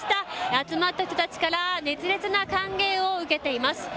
集まった人たちから熱烈な歓迎を受けています。